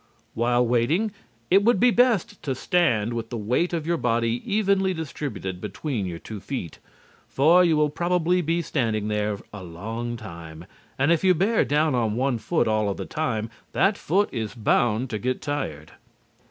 While waiting it would be best to stand with the weight of your body evenly distributed between your two feet, for you will probably be standing there a long time and if you bear down on one foot all of the time, that foot is bound to get tired.